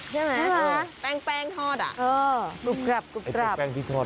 ใช่ไหมคะแป้งทอด